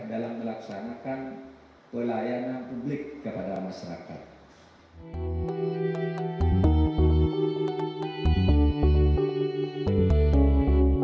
dalam melaksanakan pelayanan publik kepada masyarakat